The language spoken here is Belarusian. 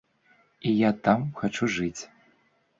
І я там хачу жыць.